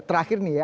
terakhir nih ya